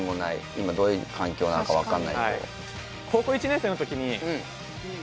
今どういう環境なのか分かんない子はいんですよ